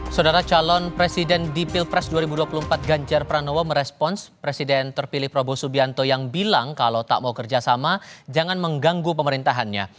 saudara calon presiden di pilpres dua ribu dua puluh empat ganjar pranowo merespons presiden terpilih prabowo subianto yang bilang kalau tak mau kerjasama jangan mengganggu pemerintahannya